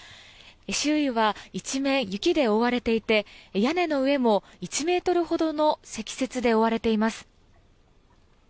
周囲は一面、雪で覆われていて屋根の上も１ｍほどの積雪で覆われています。